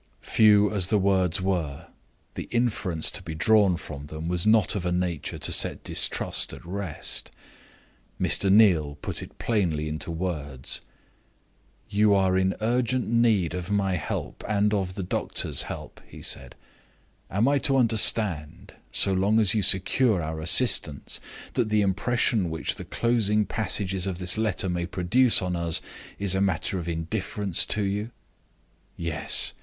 Few as the words were, the inference to be drawn from them was not of a nature to set distrust at rest. Mr. Neal put it plainly into words. "You are in urgent need of my help and of the doctor's help," he said. "Am I to understand (so long as you secure our assistance) that the impression which the closing passages of this letter may produce on us is a matter of indifference to you?" "Yes.